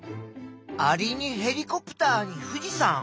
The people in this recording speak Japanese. アリにヘリコプターに富士山。